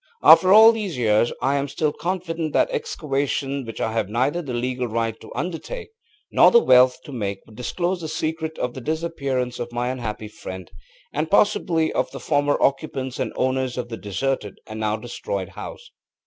After all these years I am still confident that excavations which I have neither the legal right to undertake nor the wealth to make would disclose the secret of the disappearance of my unhappy friend, and possibly of the former occupants and owners of the deserted and now destroyed house.